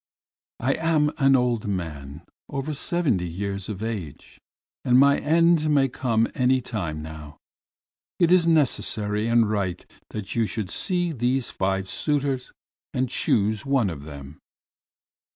"I am an old man, over seventy years of age, and my end may come any time now. It is necessary and right that you should see these five suitors and choose one of them."